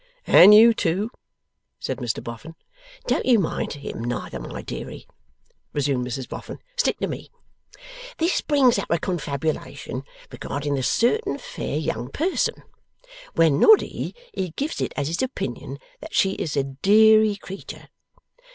'And you too,' said Mr Boffin. 'Don't you mind him, neither, my deary,' resumed Mrs Boffin; 'stick to me. This brings up a confabulation regarding the certain fair young person; when Noddy he gives it as his opinion that she is a deary creetur.